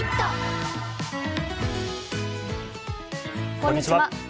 こんにちは。